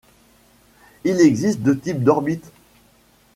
Il existe deux types d'orbites.